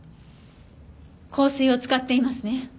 香水を使っていますね？